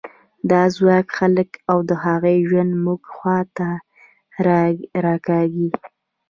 دا ځواک خلک او د هغوی ژوند موږ خوا ته راکاږي.